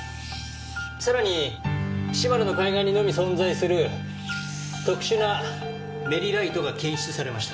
さらに島根の海岸にのみ存在する特殊なメリライトが検出されました。